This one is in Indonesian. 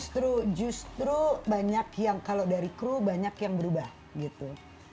justru justru banyak yang kalau dari kru banyak yang berubah gitu